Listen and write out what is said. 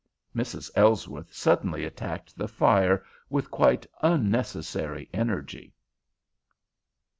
Mrs. Ellsworth suddenly attacked the fire with quite unnecessary energy.